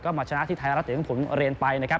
ก็มาชนะที่ไทยรัฐเตียงถุงเรนไปนะครับ